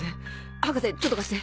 博士ちょっと貸して！